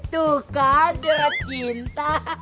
duka surat cinta